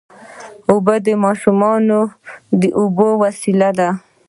اوبه د ماشومانو د لوبو وسیله ده.